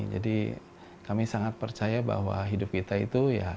jadi kami sangat percaya bahwa hidup kita itu ya